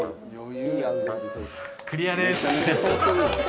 クリアです。